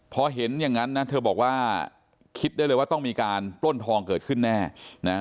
พอเห็นอย่างนั้นนะเธอบอกว่าคิดได้เลยว่าต้องมีการปล้นทองเกิดขึ้นแน่นะ